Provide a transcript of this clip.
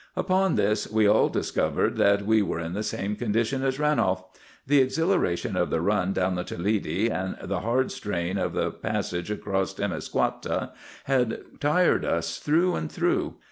Upon this we all discovered that we were in the same condition as Ranolf. The exhilaration of the run down the Toledi, and the hard strain of the passage across Temiscouata, had tired us through and through.